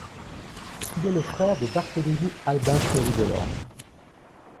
Il est le frère de Barthélémy-Albin-Fleury Delhorme.